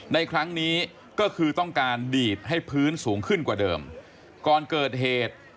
ในครั้งนี้ก็คือต้องการดีดให้พื้นสูงขึ้นกว่าเดิมก่อนเกิดเหตุ